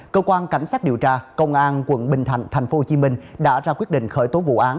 cơ quan cảnh sát điều tra công an quận bình thạnh tp hcm đã ra quyết định khởi tố vụ án